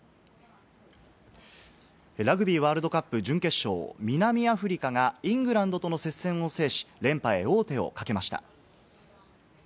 ラグビーワールドカップ準決勝、南アフリカがイングランドとの接戦を制し、連覇へ王手をかけました。